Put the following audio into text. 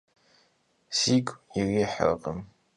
Sigu yirıhırkhım.